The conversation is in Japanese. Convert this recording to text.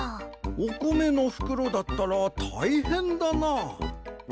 おこめのふくろだったらたいへんだな。